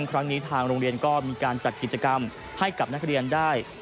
ครั้งนี้ทางโรงเรียนก็มีการจัดกิจกรรมให้กับนักเรียนได้